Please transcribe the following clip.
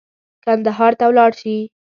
کندهار ته ولاړ شي.